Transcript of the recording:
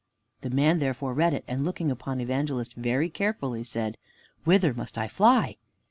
The man therefore read it, and looking upon Evangelist very carefully, said, "Whither must I fly!"